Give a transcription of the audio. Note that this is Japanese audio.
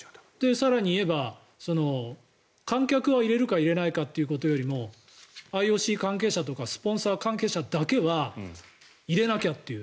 更に言えば観客を入れるか入れないかということよりもＩＯＣ関係者とかスポンサー関係者だけは入れなきゃっていう。